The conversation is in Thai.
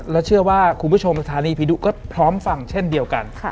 และเชื่อว่าคุณผู้ชมสถานีผีดุก็พร้อมฟังเช่นเดียวกัน